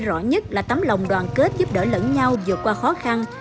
rõ nhất là tấm lòng đoàn kết giúp đỡ lẫn nhau vượt qua khó khăn